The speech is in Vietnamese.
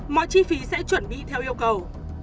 mọi chi phí sẽ chuẩn bị theo yêu cầu